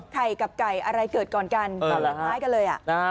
ไข่กับไก่อะไรเกิดก่อนกันเออหลายกันเลยอ่ะนะฮะ